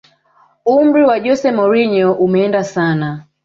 umri wa jose mourinho umeenda sana